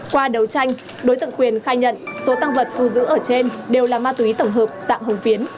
qua đấu tranh đối tượng quyền khai nhận số tăng vật thu giữ ở trên đều là ma túy tổng hợp dạng hồng phiến